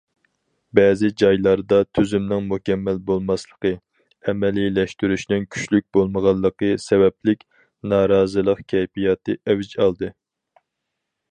بەزى جايلاردا تۈزۈمنىڭ مۇكەممەل بولماسلىقى، ئەمەلىيلەشتۈرۈشنىڭ كۈچلۈك بولمىغانلىقى سەۋەبلىك، نارازىلىق كەيپىياتى ئەۋج ئالدى.